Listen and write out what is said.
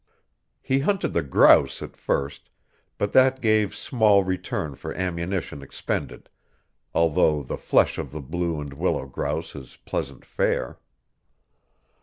He hunted the grouse at first, but that gave small return for ammunition expended, although the flesh of the blue and willow grouse is pleasant fare.